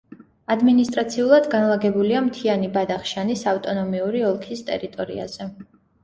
ადმინისტრაციულად განლაგებულია მთიანი ბადახშანის ავტონომიური ოლქის ტერიტორიაზე.